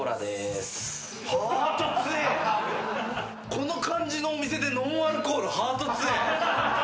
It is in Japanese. この感じのお店でノンアルコールハート強え。